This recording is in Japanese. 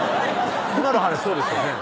今の話そうですよね